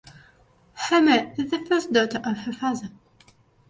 Hermia is the first daughter of her father.